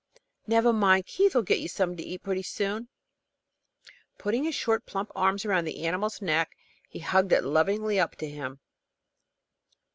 Never mind, Keith'll get you something to eat pretty soon." Putting his short, plump arms around the animal's neck, he hugged it lovingly up to him.